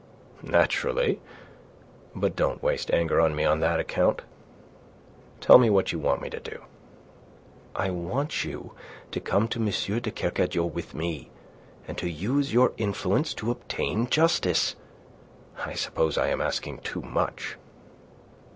"Naturally. But don't waste anger on me on that account. Tell me what you want me to do." "I want you to come to M. de Kercadiou with me, and to use your influence to obtain justice. I suppose I am asking too much."